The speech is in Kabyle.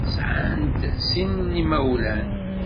Sɛant sin n yimawalen.